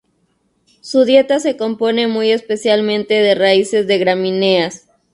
Su dieta se compone muy especialmente de raíces de gramíneas.